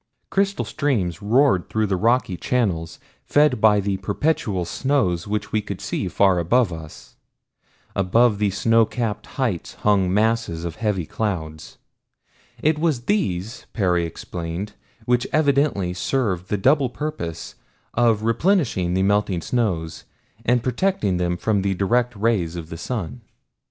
Crystal streams roared through their rocky channels, fed by the perpetual snows which we could see far above us. Above the snowcapped heights hung masses of heavy clouds. It was these, Perry explained, which evidently served the double purpose of replenishing the melting snows and protecting them from the direct rays of the sun.